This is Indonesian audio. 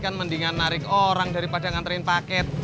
kan mendingan narik orang daripada nganterin paket